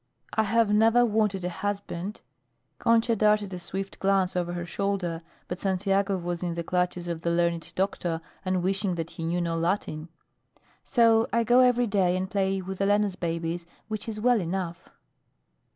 I have never wanted a husband " Concha darted a swift glance over her shoulder, but Santiago was in the clutches of the learned doctor and wishing that he knew no Latin; "so I go every day and play with Elena's babies, which is well enough."